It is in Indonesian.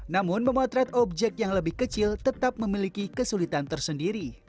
namun memotret objek yang lebih kecil tetap memiliki kesulitan tersendiri